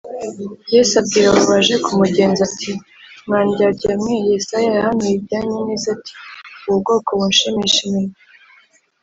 yesu abwira abo baje kumugenza ati, “mwa ndyarya mwe, yesaya yahanuye ibyanyu neza ati, ubu bwoko bunshimisha iminwa,